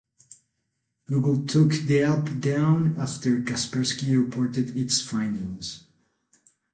Google took the app down after Kaspersky reported its findings.